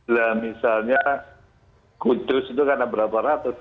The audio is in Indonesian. lah misalnya kudus itu karena berapa ratus